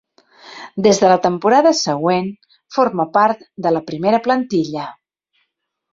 Des de la temporada següent forma part de la primera plantilla.